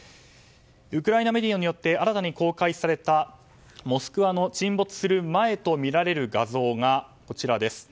ウクライナメディアによって新たに公開された「モスクワ」の沈没する前とみられる画像がこちらです。